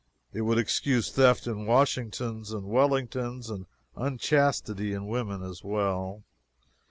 It would excuse theft in Washingtons and Wellingtons, and unchastity in women as well.